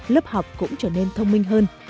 lớp học cũng trở nên thông minh hơn